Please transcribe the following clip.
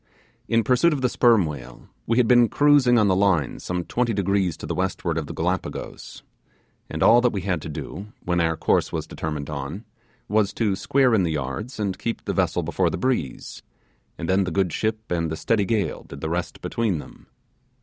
In pursuit of the sperm whale, we had been cruising on the line some twenty degrees to the westward of the Gallipagos; and all that we had to do, when our course was determined on, was to square in the yards and keep the vessel before the breeze, and then the good ship and the steady gale did the rest between them.